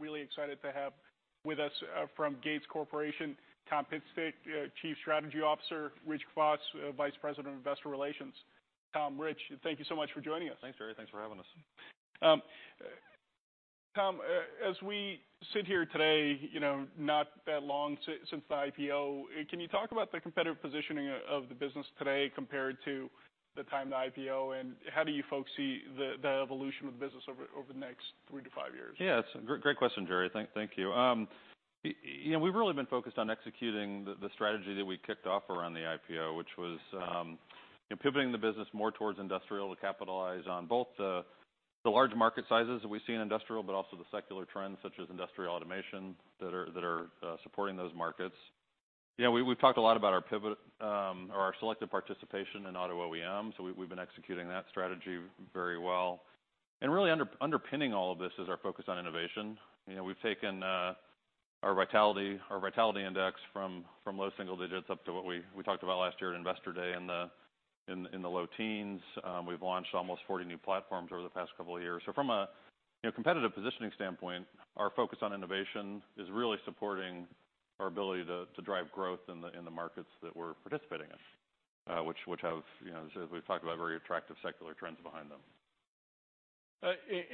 Really excited to have with us, from Gates Corporation, Tom Pitstick, Chief Strategy Officer, Rich Kwas, Vice President of Investor Relations. Tom, Rich, thank you so much for joining us. Thanks, Jerry. Thanks for having us. Tom, as we sit here today, you know, not that long since the IPO, can you talk about the competitive positioning of the business today compared to the time of the IPO, and how do you folks see the evolution of the business over the next three to five years? Yeah, that's a great, great question, Jerry. Thank you. You know, we've really been focused on executing the strategy that we kicked off around the IPO, which was, you know, pivoting the business more towards industrial to capitalize on both the large market sizes that we see in industrial, but also the secular trends such as industrial automation that are supporting those markets. You know, we've talked a lot about our pivot, or our selective participation in auto OEM, so we've been executing that strategy very well. Really underpinning all of this is our focus on innovation. You know, we've taken our vitality index from low single digits up to what we talked about last year at Investor Day in the low teens. We've launched almost 40 new platforms over the past couple of years. From a, you know, competitive positioning standpoint, our focus on innovation is really supporting our ability to, to drive growth in the, in the markets that we're participating in, which, which have, you know, as, as we've talked about, very attractive secular trends behind them.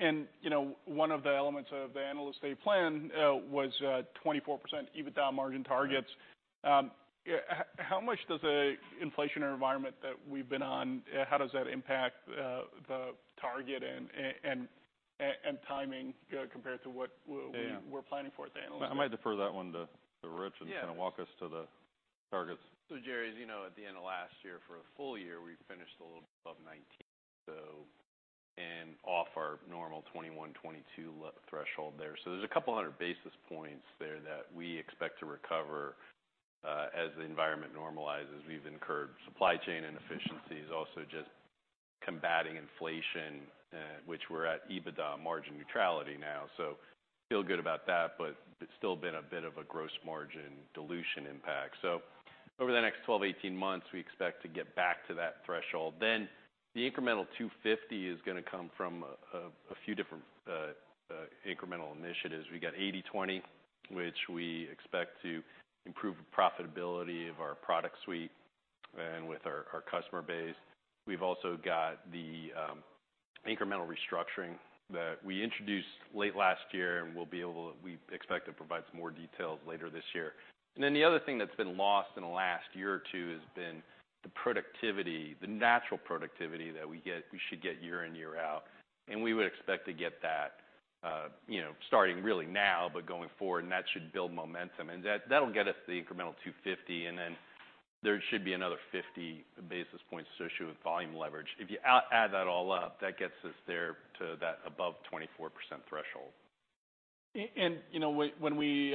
And, you know, one of the elements of the analysts' day plan was 24% EBITDA margin targets. How much does the inflationary environment that we've been on, how does that impact the target and, and timing, compared to what we. Yeah. We're planning for at the analysts' day. I might defer that one to Rich. Yeah. Kinda walk us to the targets. Jerry, as you know, at the end of last year, for a full year, we finished a little bit above 19, though, and off our normal 21-22 threshold there. There are a couple hundred basis points there that we expect to recover, as the environment normalizes. We've incurred supply chain inefficiencies, also just combating inflation, which we're at EBITDA margin neutrality now. Feel good about that, but it's still been a bit of a gross margin dilution impact. Over the next 12-18 months, we expect to get back to that threshold. The incremental 250 is gonna come from a few different incremental initiatives. We got 80/20, which we expect to improve the profitability of our product suite and with our customer base. We've also got the incremental restructuring that we introduced late last year, and we expect to provide some more details later this year. The other thing that's been lost in the last year or two has been the productivity, the natural productivity that we get, we should get year in, year out. We would expect to get that, you know, starting really now, but going forward, and that should build momentum. That'll get us the incremental 250, and then there should be another 50 basis points associated with volume leverage. If you add that all up, that gets us there to that above 24% threshold. And, you know, when we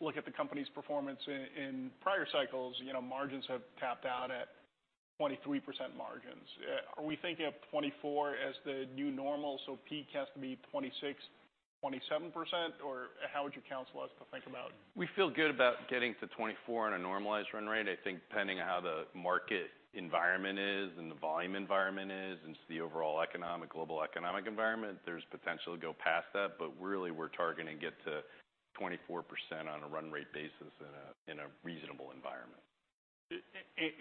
look at the company's performance in prior cycles, you know, margins have tapped out at 23% margins. Are we thinking of 24 as the new normal? So peak has to be 26-27%, or how would you counsel us to think about? We feel good about getting to 24% on a normalized run rate. I think depending on how the market environment is and the volume environment is and the overall economic, global economic environment, there's potential to go past that. Really, we're targeting to get to 24% on a run rate basis in a reasonable environment.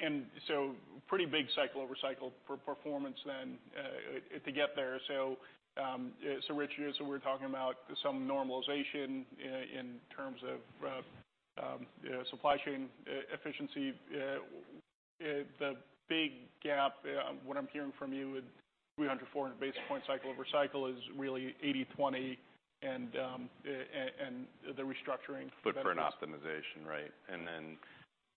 And so pretty big cycle over cycle performance then, to get there. So, Rich, you know, we're talking about some normalization, in terms of supply chain efficiency. The big gap, what I'm hearing from you at 300-400 basis point cycle over cycle is really 80/20 and the restructuring. Footprint optimization, right? You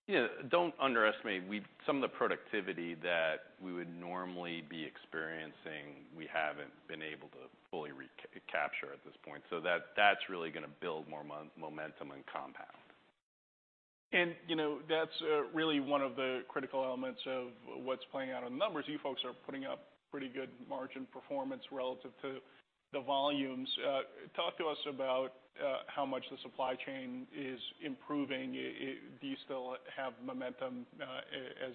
know, don't underestimate we some of the productivity that we would normally be experiencing, we haven't been able to fully recapture at this point. That, that's really gonna build more momentum and compound. You know, that's really one of the critical elements of what's playing out on the numbers. You folks are putting up pretty good margin performance relative to the volumes. Talk to us about how much the supply chain is improving. Do you still have momentum as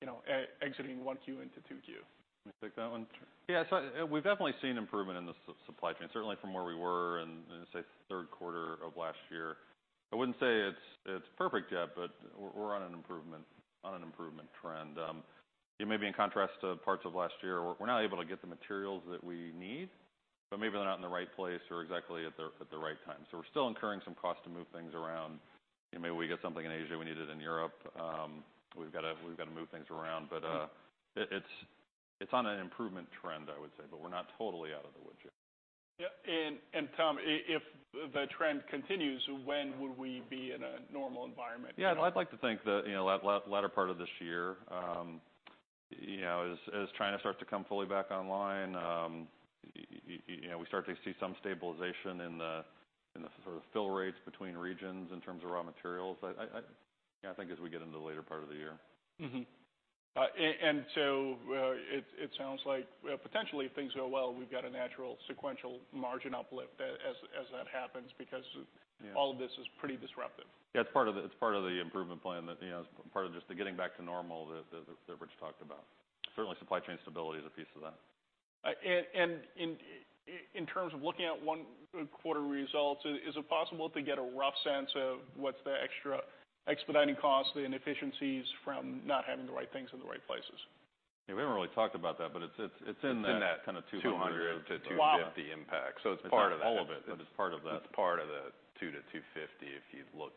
you know, exiting 1Q into 2Q? Can we take that one? Yeah, so, we've definitely seen improvement in the supply chain, certainly from where we were in, I'd say, third quarter of last year. I wouldn't say it's perfect yet, but we're on an improvement trend. You know, maybe in contrast to parts of last year, we're not able to get the materials that we need, but maybe they're not in the right place or exactly at the right time. So we're still incurring some cost to move things around. You know, maybe we get something in Asia we needed in Europe. We've got to move things around. It's on an improvement trend, I would say, but we're not totally out of the woods yet. Yeah. And Tom, if the trend continues, when would we be in a normal environment? Yeah, and I'd like to think the, you know, latter part of this year, you know, as China starts to come fully back online, you know, we start to see some stabilization in the, in the sort of fill rates between regions in terms of raw materials. I, you know, I think as we get into the later part of the year. Mm-hmm. And so, it sounds like, potentially if things go well, we've got a natural sequential margin uplift as that happens because. Yeah. All of this is pretty disruptive. Yeah, it's part of the, it's part of the improvement plan that, you know, it's part of just the getting back to normal that Rich talked about. Certainly, supply chain stability is a piece of that. And in terms of looking at one quarter results, is it possible to get a rough sense of what's the extra expediting cost and efficiencies from not having the right things in the right places? Yeah, we haven't really talked about that, but it's in that. It's in that kind of 200-250 impact. Two to a while. It is part of that. All of it. It's. It is part of that. It's part of the 200-250 if you look,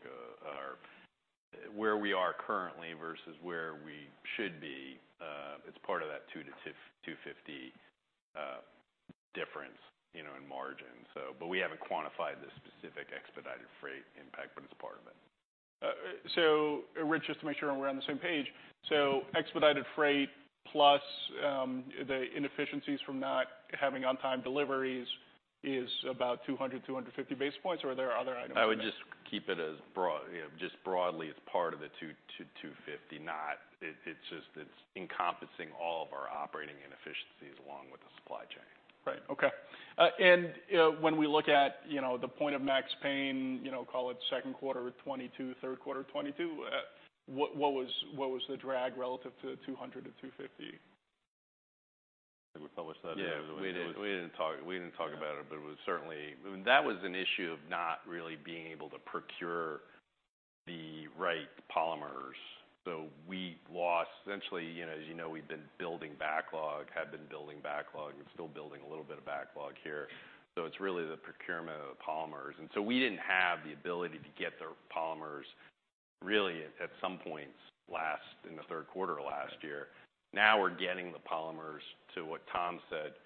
where we are currently versus where we should be. It's part of that 200-250 difference, you know, in margin. We haven't quantified the specific expedited freight impact, but it's part of it. Rich, just to make sure we're on the same page, expedited freight plus the inefficiencies from not having on-time deliveries is about 200-250 basis points, or are there other items? I would just keep it as broad, you know, just broadly, it's part of the 200-250, not—it-it's just it's encompassing all of our operating inefficiencies along with the supply chain. Right. Okay. And, when we look at, you know, the point of max pain, you know, call it second quarter 2022, third quarter 2022, what was the drag relative to 200-250? Did we publish that? Yeah, we didn't. Yeah, we didn't talk, we didn't talk about it, but it was certainly, I mean, that was an issue of not really being able to procure the right polymers. So we lost essentially, you know, as you know, we've been building backlog, have been building backlog, and still building a little bit of backlog here. It's really the procurement of the polymers. We didn't have the ability to get the polymers really at, at some points last in the third quarter of last year. Now we're getting the polymers to what Tom said.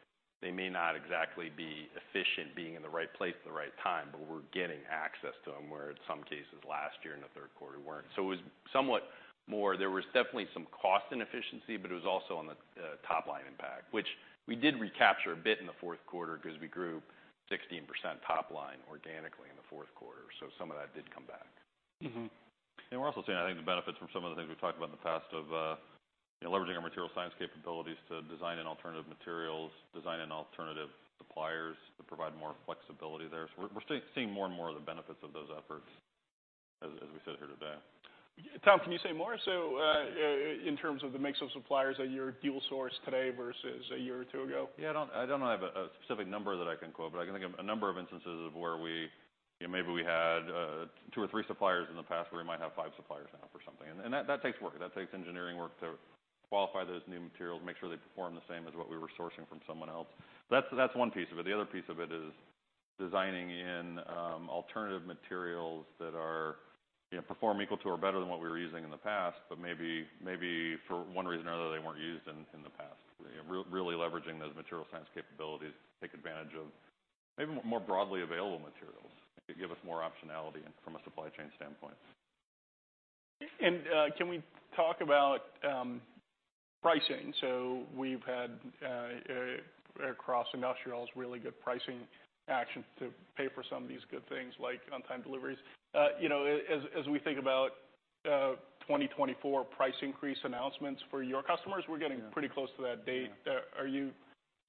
They may not exactly be efficient being in the right place at the right time, but we're getting access to them where in some cases last year in the third quarter weren't. It was somewhat more, there was definitely some cost inefficiency, but it was also on the top-line impact, which we did recapture a bit in the fourth quarter because we grew 16% top-line organically in the fourth quarter. Some of that did come back. Mm-hmm. We're also seeing, I think, the benefits from some of the things we've talked about in the past of, you know, leveraging our material science capabilities to design in alternative materials, design in alternative suppliers to provide more flexibility there. We're seeing more and more of the benefits of those efforts as we sit here today. Tom, can you say more? In terms of the mix of suppliers at your deal source today versus a year or two ago? Yeah, I don't, I don't have a specific number that I can quote, but I can think of a number of instances of where we, you know, maybe we had two or three suppliers in the past where we might have five suppliers now for something. That takes work. That takes engineering work to qualify those new materials, make sure they perform the same as what we were sourcing from someone else. That's one piece of it. The other piece of it is designing in alternative materials that are, you know, perform equal to or better than what we were using in the past, but maybe, maybe for one reason or another, they weren't used in the past. You know, really leveraging those material science capabilities to take advantage of maybe more broadly available materials that give us more optionality from a supply chain standpoint. And, can we talk about pricing? We've had, across industrials, really good pricing action to pay for some of these good things like on-time deliveries. You know, as we think about 2024 price increase announcements for your customers, we're getting. Mm-hmm. Pretty close to that date. Are you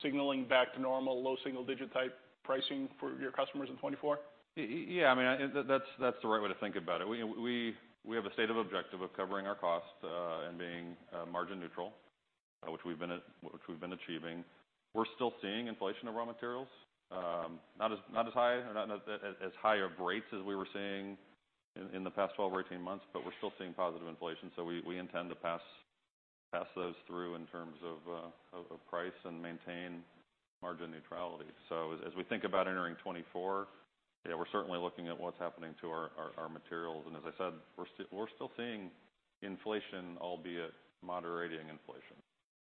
signaling back to normal, low single digit type pricing for your customers in 2024? Yeah, I mean, I think that's, that's the right way to think about it. We have a stated objective of covering our cost, and being margin neutral, which we've been achieving. We're still seeing inflation of raw materials, not as high or not as high of rates as we were seeing in the past 12 or 18 months, but we're still seeing positive inflation. We intend to pass those through in terms of price and maintain margin neutrality. As we think about entering 2024, yeah, we're certainly looking at what's happening to our materials. As I said, we're still seeing inflation, albeit moderating inflation.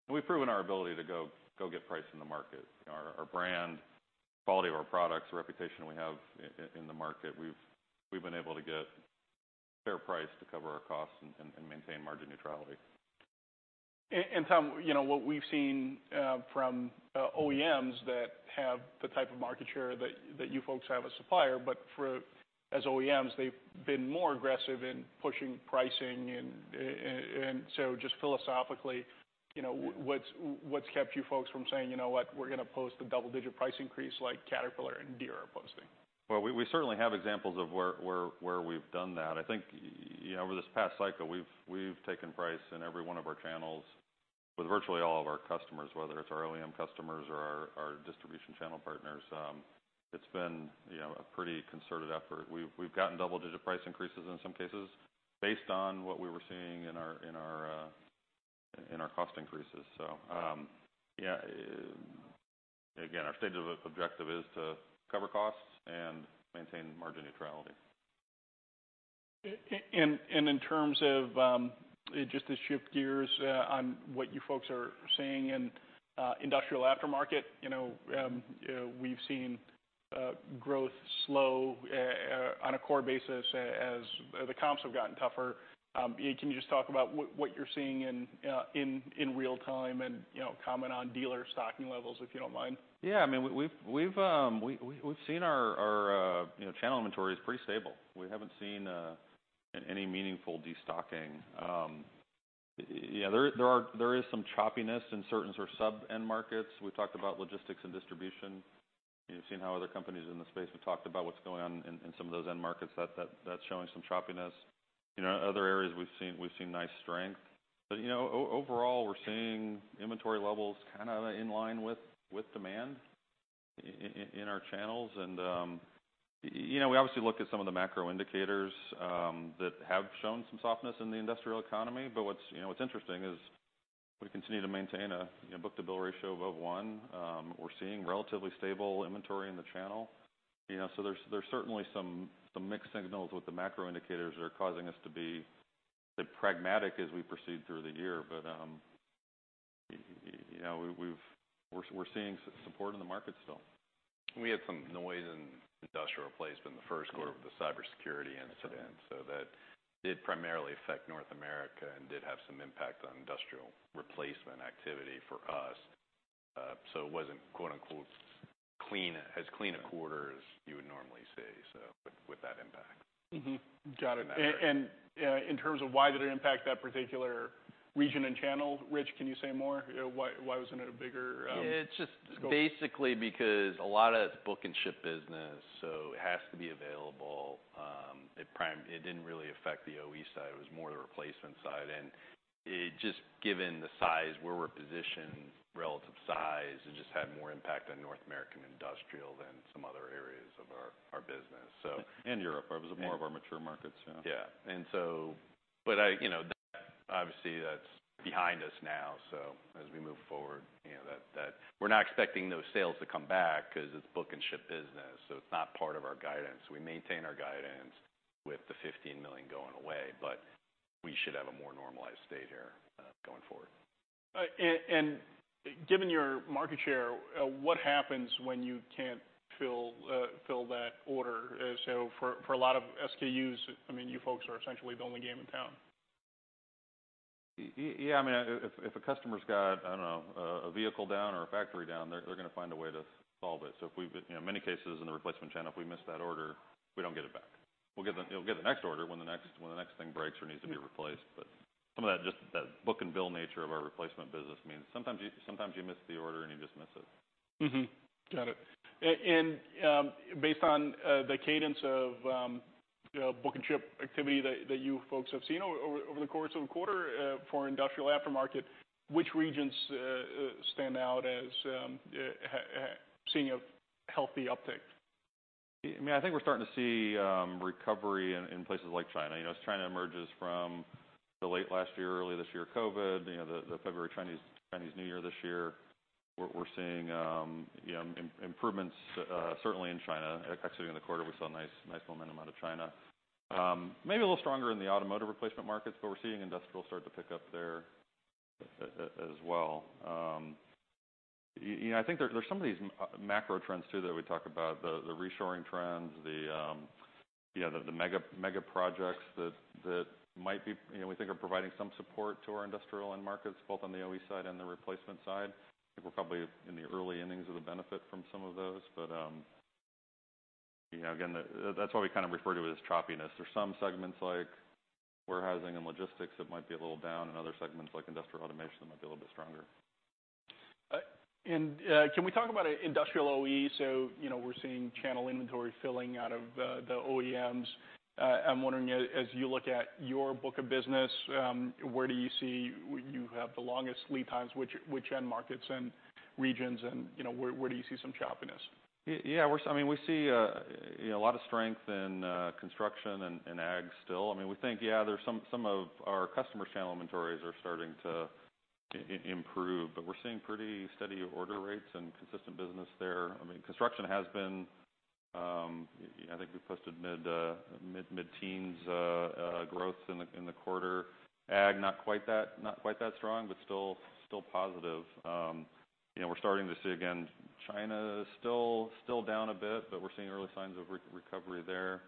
We've proven our ability to go get price in the market. Our brand, quality of our products, reputation we have in the market, we've been able to get fair price to cover our costs and maintain margin neutrality. And Tom, you know, what we've seen, from, OEMs that have the type of market share that, that you folks have as supplier, but for as OEMs, they've been more aggressive in pushing pricing and, and, and so just philosophically, you know, what's, what's kept you folks from saying, "You know what? We're gonna post the double-digit price increase like Caterpillar and Deere are posting"? We certainly have examples of where we've done that. I think, you know, over this past cycle, we've taken price in every one of our channels with virtually all of our customers, whether it's our OEM customers or our distribution channel partners. It's been, you know, a pretty concerted effort. We've gotten double-digit price increases in some cases based on what we were seeing in our cost increases. Yeah, again, our stated objective is to cover costs and maintain margin neutrality. And in terms of, just to shift gears, on what you folks are seeing in industrial aftermarket, you know, we've seen growth slow on a core basis as the comps have gotten tougher. Can you just talk about what you're seeing in real time and, you know, comment on dealer stocking levels if you don't mind? Yeah, I mean, we've seen our, you know, channel inventory is pretty stable. We haven't seen any meaningful destocking. Yeah, there is some choppiness in certain sort of sub-end markets. We've talked about logistics and distribution. You've seen how other companies in the space have talked about what's going on in some of those end markets. That's showing some choppiness. You know, other areas we've seen nice strength. But, you know, overall, we're seeing inventory levels kinda in line with demand in our channels. And, you know, we obviously looked at some of the macro indicators that have shown some softness in the industrial economy. What's interesting is we continue to maintain a, you know, book-to-bill ratio above one. We're seeing relatively stable inventory in the channel. You know, so there are certainly some mixed signals with the macro indicators that are causing us to be, say, pragmatic as we proceed through the year. You know, we have, we are seeing support in the market still. We had some noise in industrial replacement in the first quarter with the cybersecurity incident. That's right. That did primarily affect North America and did have some impact on industrial replacement activity for us. It was not as clean a quarter as you would normally see, with that impact. Mm-hmm. Got it. And, in terms of why did it impact that particular region and channel, Rich, can you say more? You know, why, why wasn't it a bigger, Yeah, it's just basically because a lot of that's book and ship business, so it has to be available. It didn't really affect the OE side. It was more the replacement side. It just, given the size, where we're positioned, relative size, it just had more impact on North American industrial than some other areas of our business. Europe. It was more of our mature markets, yeah. Yeah. I, you know, that obviously that's behind us now. As we move forward, you know, that, that we're not expecting those sales to come back 'cause it's book and ship business, so it's not part of our guidance. We maintain our guidance with the $15 million going away, but we should have a more normalized state here, going forward. And, given your market share, what happens when you can't fill that order? For a lot of SKUs, I mean, you folks are essentially the only game in town. Yeah, I mean, if a customer's got, I don't know, a vehicle down or a factory down, they're gonna find a way to solve it. So if we've, you know, in many cases in the replacement channel, if we miss that order, we don't get it back. We'll get the next order when the next thing breaks or needs to be replaced. But some of that just, that book and bill nature of our replacement business means sometimes you, sometimes you miss the order and you just miss it. Mm-hmm. Got it. And, based on the cadence of book and ship activity that you folks have seen over the course of the quarter, for industrial aftermarket, which regions stand out as seeing a healthy uptick? I mean, I think we're starting to see recovery in places like China. You know, as China emerges from the late last year, early this year COVID, you know, the February Chinese New Year this year, we're seeing improvements, certainly in China. Exiting the quarter, we saw a nice momentum out of China. Maybe a little stronger in the automotive replacement markets, but we're seeing industrial start to pick up there as well. You know, I think there are some of these macro trends too that we talk about, the reshoring trends, the mega projects that might be, you know, we think are providing some support to our industrial end markets, both on the OE side and the replacement side. I think we're probably in the early innings of the benefit from some of those. You know, again, that's why we kinda refer to it as choppiness. There's some segments like warehousing and logistics that might be a little down and other segments like industrial automation that might be a little bit stronger. Can we talk about industrial OE? You know, we're seeing channel inventory filling out of the OEMs. I'm wondering, as you look at your book of business, where do you see you have the longest lead times, which end markets and regions, and, you know, where do you see some choppiness? Yeah, we're, I mean, we see, you know, a lot of strength in construction and ag still. I mean, we think, yeah, there's some, some of our customers' channel inventories are starting to improve, but we're seeing pretty steady order rates and consistent business there. I mean, construction has been, I think we posted mid-teens growth in the quarter. Ag, not quite that, not quite that strong, but still, still positive. You know, we're starting to see again, China is still down a bit, but we're seeing early signs of recovery there.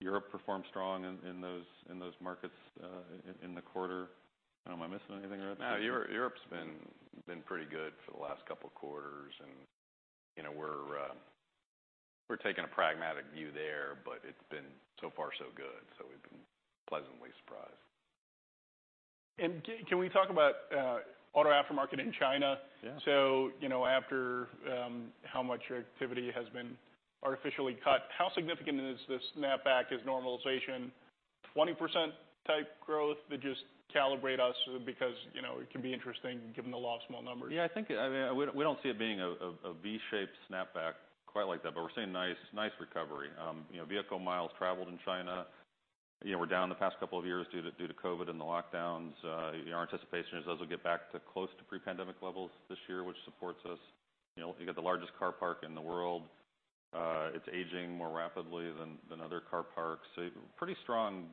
Europe performed strong in those markets in the quarter. I don't know. Am I missing anything or anything? No, Europe's been pretty good for the last couple quarters. And, you know, we're taking a pragmatic view there, but it's been so far so good. We've been pleasantly surprised. Can we talk about auto aftermarket in China? Yeah. You know, after how much activity has been artificially cut, how significant is this snapback as normalization, 20% type growth to just calibrate us because, you know, it can be interesting given the loss of small numbers? Yeah, I think, I mean, we don't see it being a V-shaped snapback quite like that, but we're seeing nice, nice recovery. You know, vehicle miles traveled in China, you know, were down the past couple of years due to, due to COVID and the lockdowns. You know, our anticipation is those will get back to close to pre-pandemic levels this year, which supports us. You know, you got the largest car park in the world. It's aging more rapidly than other car parks. So pretty strong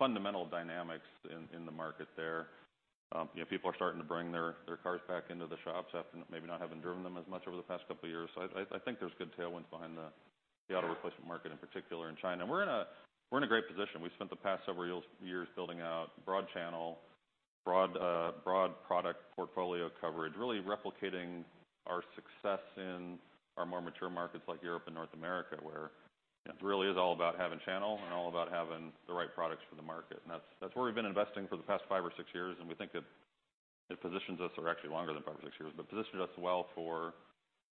fundamental dynamics in the market there. You know, people are starting to bring their cars back into the shops after maybe not having driven them as much over the past couple years. I think there's good tailwinds behind the auto replacement market in particular in China. We're in a great position. We spent the past several years building out broad channel, broad product portfolio coverage, really replicating our success in our more mature markets like Europe and North America where, you know, it really is all about having channel and all about having the right products for the market. That's where we've been investing for the past five or six years. We think that it positions us, or actually longer than five or six years, but positions us well for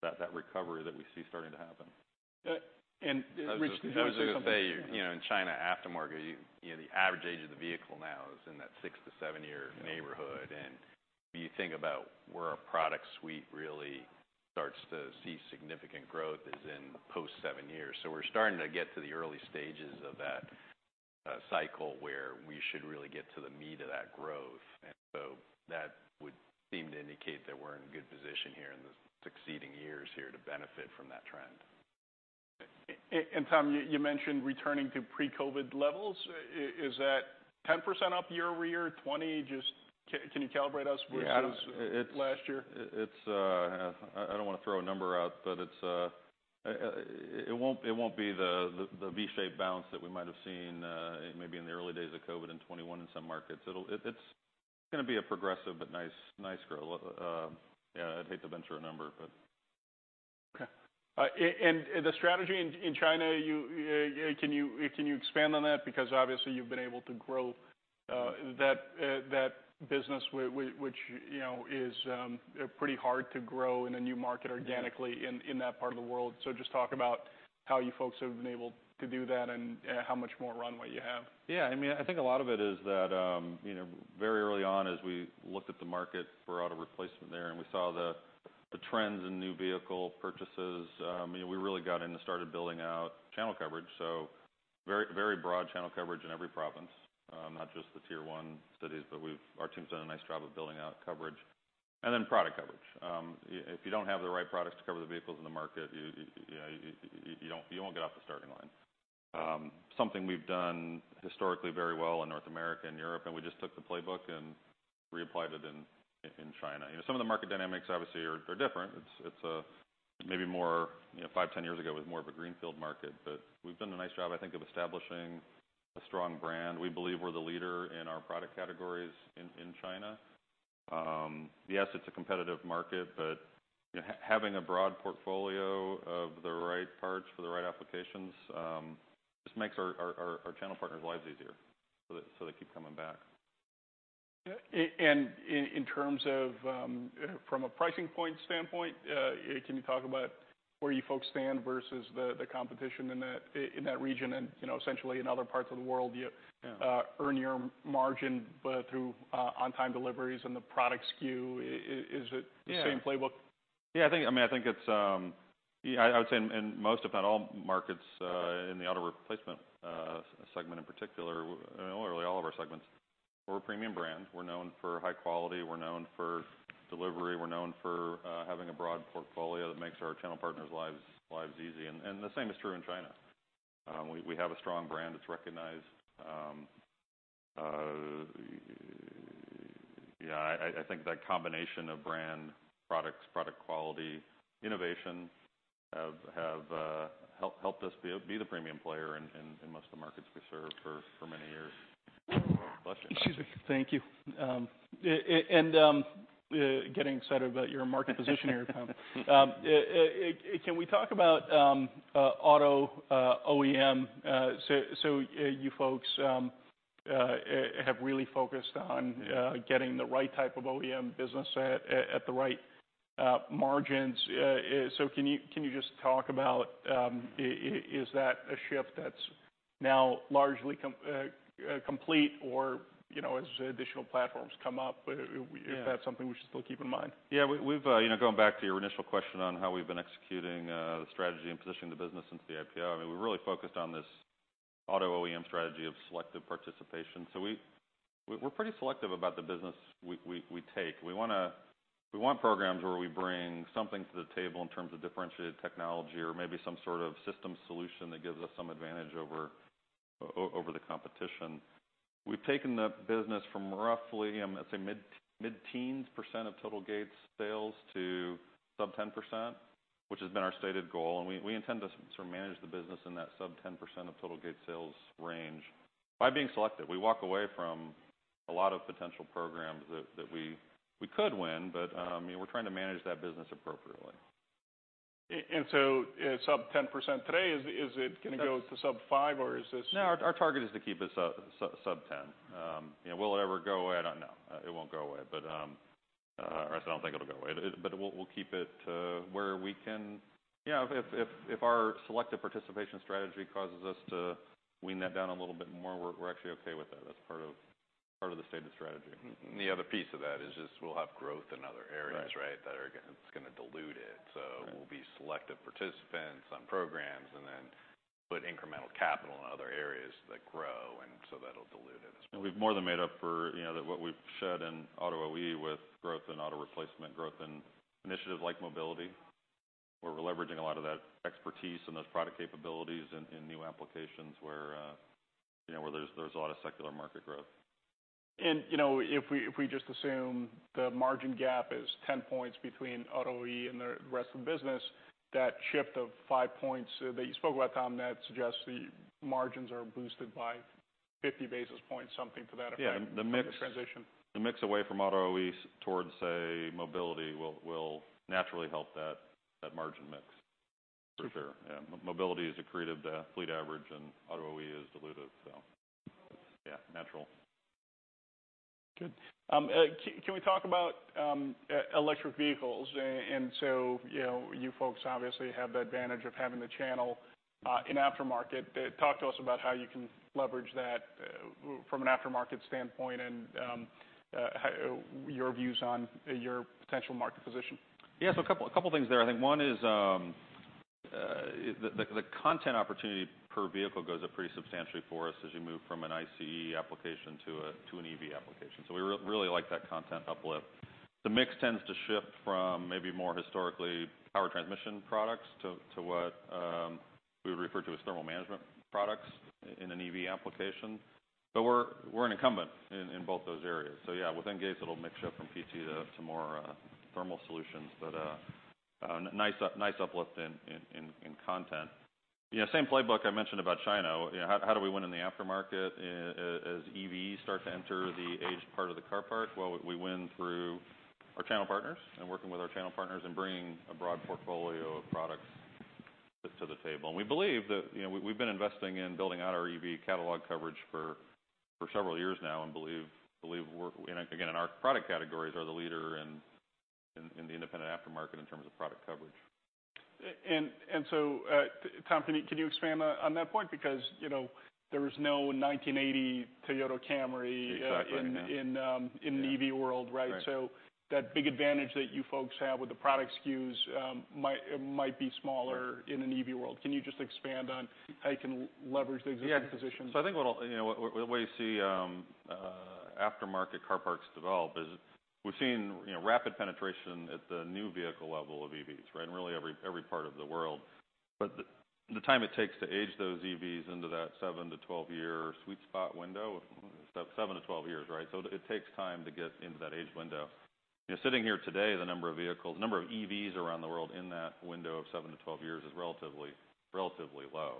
that recovery that we see starting to happen. Rich, can you? I was gonna say, you know, in China aftermarket, you know, the average age of the vehicle now is in that six to seven-year neighborhood. And when you think about where our product suite really starts to see significant growth is in post-seven years. So we're starting to get to the early stages of that cycle where we should really get to the meat of that growth. That would seem to indicate that we're in a good position here in the succeeding years here to benefit from that trend. And Tom, you mentioned returning to pre-COVID levels. Is that 10% up year-over-year, 20%? Just can you calibrate us versus? Yeah, it's, it's. Last year? It's, I don't wanna throw a number out, but it's, it won't, it won't be the V-shaped bounce that we might've seen, maybe in the early days of COVID and 2021 in some markets. It'll, it's gonna be a progressive but nice, nice growth. Yeah, I'd hate to venture a number, but. Okay. And the strategy in, in China, you, can you, can you expand on that? Because obviously you've been able to grow, that, that business which, you know, is, pretty hard to grow in a new market organically in, in that part of the world. Just talk about how you folks have been able to do that and, how much more runway you have. Yeah, I mean, I think a lot of it is that, you know, very early on as we looked at the market for auto replacement there and we saw the, the trends in new vehicle purchases, you know, we really got in and started building out channel coverage. So very, very broad channel coverage in every province, not just the tier one cities, but we've, our team's done a nice job of building out coverage. And then product coverage. If you don't have the right products to cover the vehicles in the market, you know, you don't, you won't get off the starting line. Something we've done historically very well in North America and Europe, and we just took the playbook and reapplied it in China. You know, some of the market dynamics obviously are different. It's, it's maybe more, you know, five, ten years ago it was more of a greenfield market. But we've done a nice job, I think, of establishing a strong brand. We believe we're the leader in our product categories in, in China. Yes, it's a competitive market, but, you know, having a broad portfolio of the right parts for the right applications just makes our, our channel partners' lives easier so that they keep coming back. And in terms of, from a pricing point standpoint, can you talk about where you folks stand versus the competition in that region and, you know, essentially in other parts of the world? Yeah. earn your margin, but through on-time deliveries and the product SKU? Is it the same playbook? Yeah, I think, I mean, I think it's, you know, I would say in most, if not all markets, in the auto replacement segment in particular, really all of our segments, we're a premium brand. We're known for high quality. We're known for delivery. We're known for having a broad portfolio that makes our channel partners' lives easy. The same is true in China. We have a strong brand that's recognized. Yeah, I think that combination of brand, products, product quality, innovation have helped us be the premium player in most of the markets we serve for many years. Excuse me. Thank you. And, getting excited about your market position here, Tom. Can we talk about auto OEM? You folks have really focused on getting the right type of OEM business at the right margins. Can you just talk about, is that a shift that's now largely complete or, as additional platforms come up, if that's something we should still keep in mind? Yeah, we, we've, you know, going back to your initial question on how we've been executing the strategy and positioning the business into the IPO, I mean, we're really focused on this auto OEM strategy of selective participation. We, we're, we're pretty selective about the business we, we, we take. We wanna, we want programs where we bring something to the table in terms of differentiated technology or maybe some sort of system solution that gives us some advantage over the competition. We've taken the business from roughly, I'm gonna say, mid, mid-teens % of total Gates sales to sub 10%, which has been our stated goal. We intend to sort of manage the business in that sub 10% of total Gates sales range by being selective. We walk away from a lot of potential programs that we could win, but, you know, we're trying to manage that business appropriately. And so, sub 10% today, is it gonna go to sub 5 or is this? No, our target is to keep it sub, sub, sub 10. You know, will it ever go away? I don't know. It won't go away, or I don't think it'll go away. It, but we'll keep it where we can. Yeah, if our selective participation strategy causes us to wean that down a little bit more, we're actually okay with that. That's part of the stated strategy. The other piece of that is just we'll have growth in other areas, right, that are gonna dilute it. We'll be selective participants on programs and then put incremental capital in other areas that grow, and so that'll dilute it as well. We have more than made up for, you know, that what we've shed in auto OE with growth in auto replacement, growth in initiatives like mobility where we're leveraging a lot of that expertise and those product capabilities in, in new applications where, you know, where there's, there's a lot of secular market growth. You know, if we just assume the margin gap is 10 points between auto OE and the rest of the business, that shift of 5 points that you spoke about, Tom, that suggests the margins are boosted by 50 basis points, something to that effect? Yeah, the mix. The transition? The mix away from auto OEs towards, say, mobility will naturally help that margin mix, for sure. Yeah, mobility is accretive, fleet average and auto OE is dilutive, so it's, yeah, natural. Good. Can we talk about electric vehicles? You know, you folks obviously have the advantage of having the channel in aftermarket. Talk to us about how you can leverage that from an aftermarket standpoint and how your views on your potential market position. Yeah, so a couple things there. I think one is, the content opportunity per vehicle goes up pretty substantially for us as you move from an ICE application to an EV application. So we really like that content uplift. The mix tends to shift from maybe more historically power transmission products to what we would refer to as thermal management products in an EV application. But we're an incumbent in both those areas. Yeah, within Gates, it'll mix up from PT to more thermal solutions, but nice uplift in content. You know, same playbook I mentioned about China. You know, how do we win in the aftermarket? As EVs start to enter the aged part of the car park, we win through our channel partners and working with our channel partners and bringing a broad portfolio of products to the table. We believe that, you know, we've been investing in building out our EV catalog coverage for several years now and believe we're, you know, again, in our product categories are the leader in the independent aftermarket in terms of product coverage. And so, Tom, can you expand on that point? Because, you know, there was no 1980 Toyota Camry. Exactly. In an EV world, right? That big advantage that you folks have with the product SKUs might be smaller in an EV world. Can you just expand on how you can leverage the existing position? Yeah, so I think what I'll, you know, where you see aftermarket car parts develop is we've seen, you know, rapid penetration at the new vehicle level of EVs, right, in really every, every part of the world. The time it takes to age those EVs into that 7-12-year sweet spot window of 7-12 years, right? It takes time to get into that age window. You know, sitting here today, the number of vehicles, number of EVs around the world in that window of 7-12 years is relatively, relatively low.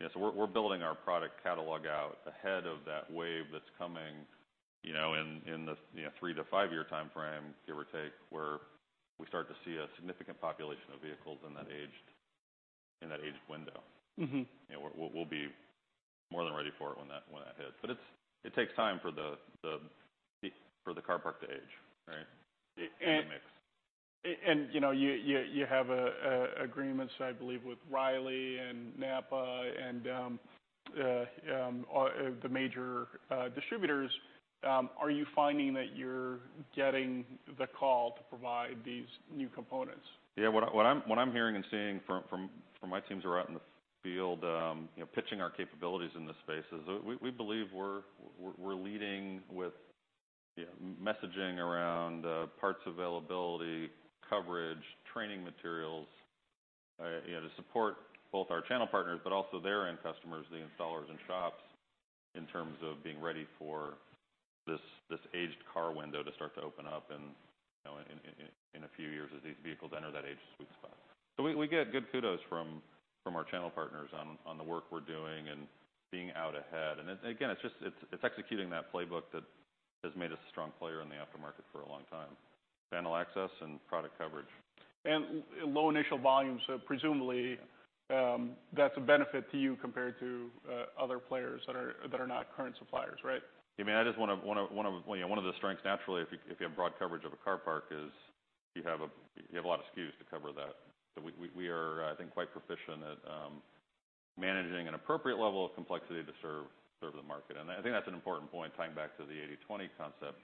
You know, so we're building our product catalog out ahead of that wave that's coming, you know, in the 3-5-year timeframe, give or take, where we start to see a significant population of vehicles in that aged, in that aged window. Mm-hmm. You know, we'll be more than ready for it when that hits. It takes time for the car park to age, right, in the mix. And, you know, you have a agreement, I believe, with O'Reilly and NAPA and the major distributors. Are you finding that you're getting the call to provide these new components? Yeah, what I'm hearing and seeing from my teams who are out in the field, you know, pitching our capabilities in this space is, we believe we're leading with, you know, messaging around parts availability, coverage, training materials, you know, to support both our channel partners but also their end customers, the installers and shops in terms of being ready for this aged car window to start to open up in, you know, in a few years as these vehicles enter that aged sweet spot. We get good kudos from our channel partners on the work we're doing and being out ahead. It, again, is just executing that playbook that has made us a strong player in the aftermarket for a long time. Channel access and product coverage. Low initial volumes, presumably, that's a benefit to you compared to other players that are not current suppliers, right? I mean, I just wanna, you know, one of the strengths naturally, if you have broad coverage of a car park, is you have a lot of SKUs to cover that. So we are, I think, quite proficient at managing an appropriate level of complexity to serve the market. And I think that's an important point tying back to the 80/20 concept.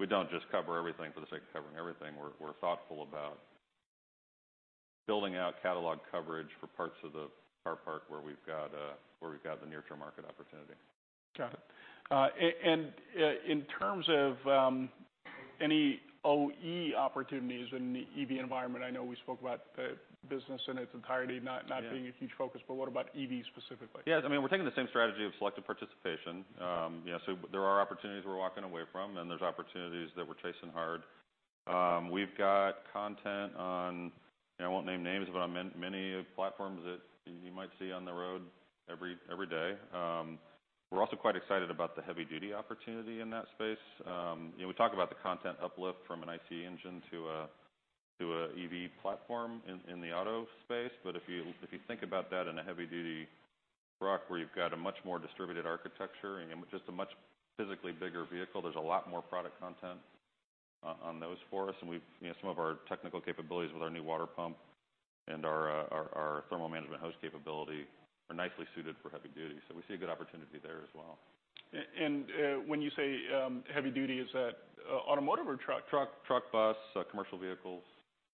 We do not just cover everything for the sake of covering everything. We are thoughtful about building out catalog coverage for parts of the car park where we have got the near-term market opportunity. Got it. And, in terms of any OE opportunities in the EV environment, I know we spoke about the business in its entirety, not being a huge focus, but what about EVs specifically? Yeah, I mean, we're taking the same strategy of selective participation. You know, so there are opportunities we're walking away from, and there's opportunities that we're chasing hard. We've got content on, you know, I won't name names, but on many, many platforms that you might see on the road every day. We're also quite excited about the heavy-duty opportunity in that space. You know, we talk about the content uplift from an ICE engine to a, to a EV platform in, in the auto space. If you think about that in a heavy-duty truck where you've got a much more distributed architecture and just a much physically bigger vehicle, there's a lot more product content on those for us. We've, you know, some of our technical capabilities with our new water pump and our thermal management host capability are nicely suited for heavy-duty. We see a good opportunity there as well. And when you say heavy-duty, is that automotive or truck, truck, truck, bus, commercial vehicles?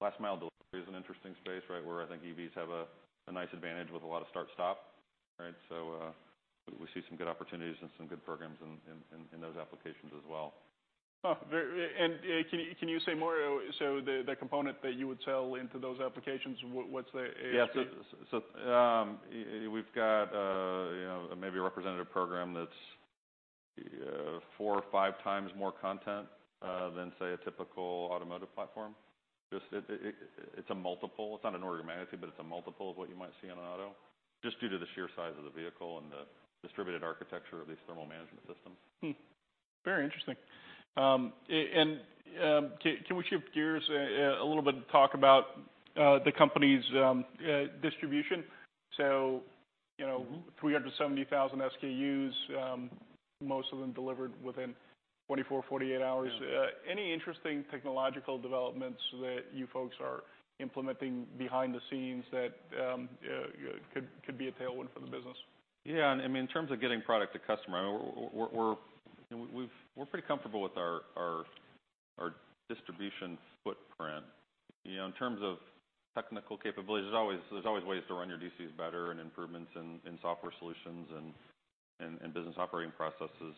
Last-mile delivery is an interesting space, right, where I think EVs have a nice advantage with a lot of start-stop, right? We see some good opportunities and some good programs in those applications as well. Oh, very, can you, can you say more, so the component that you would sell into those applications, what's the, s? Yeah, so we've got, you know, maybe a representative program that's four or five times more content than, say, a typical automotive platform. Just it, it's a multiple. It's not an order of magnitude, but it's a multiple of what you might see in an auto just due to the sheer size of the vehicle and the distributed architecture of these thermal management systems. Very interesting. And can we shift gears a little bit and talk about the company's distribution? You know, 370,000 SKUs, most of them delivered within 24-48 hours. Any interesting technological developments that you folks are implementing behind the scenes that could be a tailwind for the business? Yeah, and, I mean, in terms of getting product to customer, I mean, we're, you know, we've, we're pretty comfortable with our, our, our distribution footprint. You know, in terms of technical capabilities, there's always, there's always ways to run your DCs better and improvements in, in software solutions and, and business operating processes.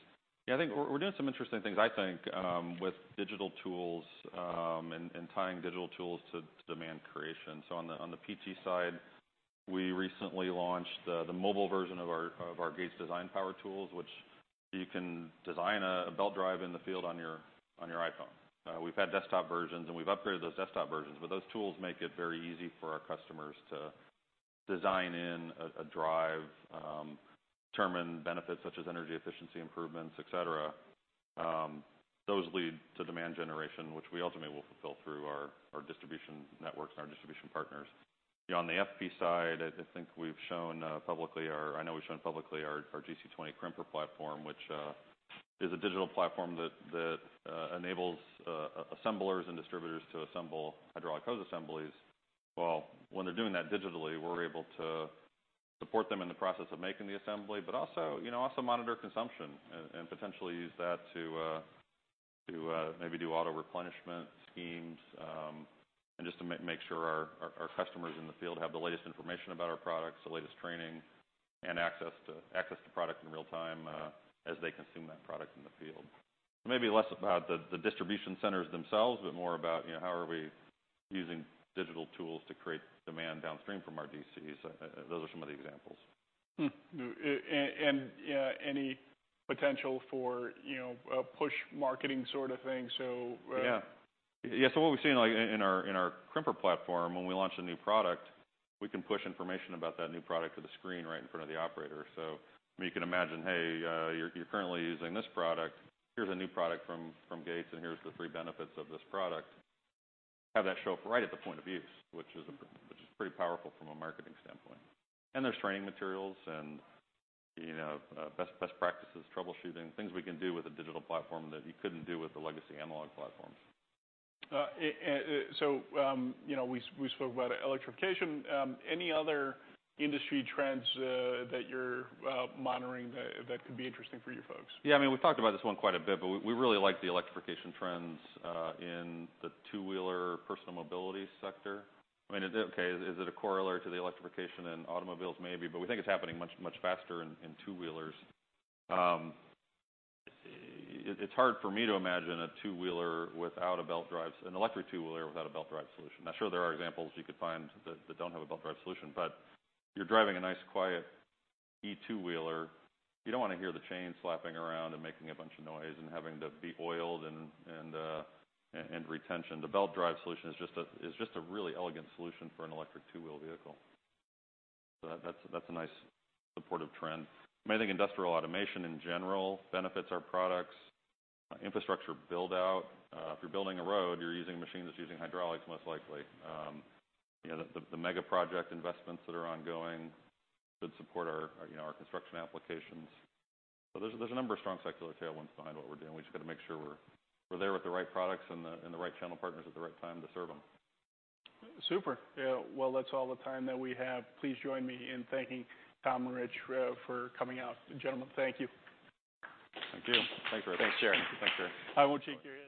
Yeah, I think we're, we're doing some interesting things, I think, with digital tools, and, and tying digital tools to demand creation. On the PT side, we recently launched the mobile version of our gauge design power tools, which you can design a belt drive in the field on your iPhone. We've had desktop versions, and we've upgraded those desktop versions, but those tools make it very easy for our customers to design in a drive, determine benefits such as energy efficiency improvements, etc. those lead to demand generation, which we ultimately will fulfill through our, our distribution networks and our distribution partners. You know, on the FP side, I think we've shown, publicly our, I know we've shown publicly our, our GC20 Crimper platform, which is a digital platform that enables assemblers and distributors to assemble hydraulic hose assemblies. When they're doing that digitally, we're able to support them in the process of making the assembly, but also, you know, also monitor consumption and potentially use that to maybe do auto replenishment schemes, and just to make sure our, our customers in the field have the latest information about our products, the latest training, and access to, access to product in real time, as they consume that product in the field. Maybe less about the, the distribution centers themselves, but more about, you know, how are we using digital tools to create demand downstream from our DCs. Those are some of the examples. And any potential for, you know, push marketing sort of thing? So, Yeah. Yeah, what we've seen, like, in our Crimper platform, when we launch a new product, we can push information about that new product to the screen right in front of the operator. I mean, you can imagine, "Hey, you're currently using this product. Here's a new product from Gates, and here's the three benefits of this product." Have that show up right at the point of use, which is pretty powerful from a marketing standpoint. There's training materials and, you know, best practices, troubleshooting, things we can do with a digital platform that you couldn't do with the legacy analog platforms. And, so, you know, we spoke about electrification. Any other industry trends that you're monitoring that could be interesting for you folks? Yeah, I mean, we've talked about this one quite a bit, but we really like the electrification trends in the two-wheeler personal mobility sector. I mean, is it okay? Is it a corollary to the electrification in automobiles? Maybe, but we think it's happening much, much faster in two-wheelers. It's hard for me to imagine a two-wheeler without a belt drive, an electric two-wheeler without a belt drive solution. Now, sure, there are examples you could find that don't have a belt drive solution, but you're driving a nice, quiet E2 wheeler. You don't want to hear the chain slapping around and making a bunch of noise and having to be oiled and retention. The belt drive solution is just a really elegant solution for an electric two-wheel vehicle. That is a nice supportive trend. I mean, I think industrial automation in general benefits our products. Infrastructure build-out, if you're building a road, you're using a machine that's using hydraulics most likely. You know, the mega project investments that are ongoing could support our, you know, our construction applications. There are a number of strong secular tailwinds behind what we're doing. We just gotta make sure we're there with the right products and the right channel partners at the right time to serve them. Super. Well, that's all the time that we have. Please join me in thanking Tom and Rich for coming out. Gentlemen, thank you. Thank you. Thanks, Rich. Thanks, Jerry. Thanks, Jerry. I won't shake your hand.